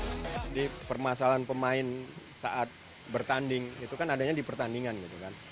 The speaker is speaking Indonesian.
jadi permasalahan pemain saat bertanding itu kan adanya di pertandingan gitu kan